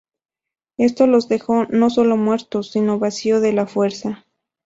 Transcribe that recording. Esto los dejó no sólo muertos, sino vacío de la Fuerza.